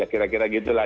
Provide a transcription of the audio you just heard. ya kira kira gitu lah